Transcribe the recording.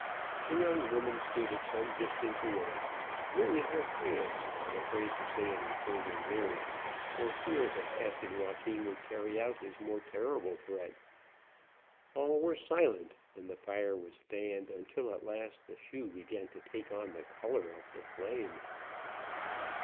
The young woman stood at some distance away, wringing her hands, but afraid to say any further word for fear that Captain Joaquin would carry out his more terrible threat. All were silent, and the fire was fanned until at last the shoe began to take on the color of the flame.